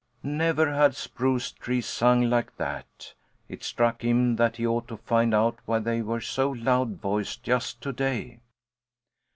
Never had spruce trees sung like that! It struck him that he ought to find out why they were so loud voiced just to day.